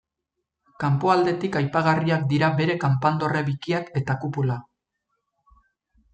Kanpoaldetik aipagarriak dira bere kanpandorre bikiak eta kupula.